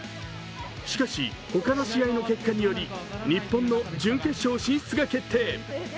しかし、他の試合の結果により日本の準決勝進出が決定。